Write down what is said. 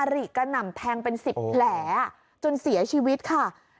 อริแสบสิบแผลจนเสียชีวิตค่ะ